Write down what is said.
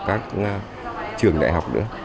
các trường đại học nữa